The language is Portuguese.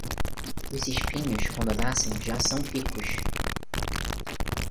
Os espinhos, quando nascem, já são picos.